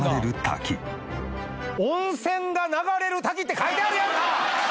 「“温泉が流れる滝”って書いてあるやんか！」